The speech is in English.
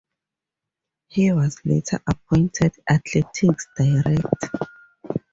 He was later appointed athletics director.